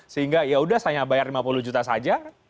sehingga ya udah saya bayar lima puluh juta saja